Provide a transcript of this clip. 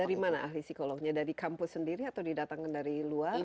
dari mana ahli psikolognya dari kampus sendiri atau didatangkan dari luar